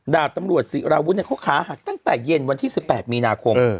ดาบตำรวจศิราวุฒิเขาขาหักตั้งแต่เย็นวันที่๑๘มีนาคม